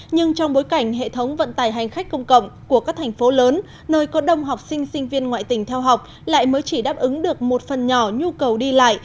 nhưng trong bối cảnh hệ thống vận tải hành khách công cộng của các thành phố lớn nơi có đông học sinh sinh viên ngoại tỉnh theo học lại mới chỉ đáp ứng được một phần nhỏ nhu cầu đi lại